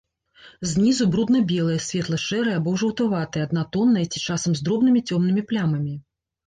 Знізу брудна-белая, светла-шэрая або жаўтаватая, аднатонная ці часам з дробнымі цёмнымі плямамі.